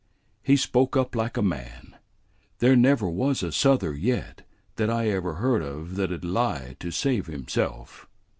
He spoke up like a man. There never was a Souther yet that I ever heard of that 'u'd lie to save himself."